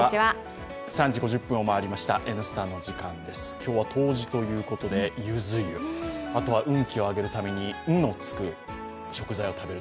今日は冬至ということでゆず湯、あとは運気を上げるために「ん」がつく食べ物。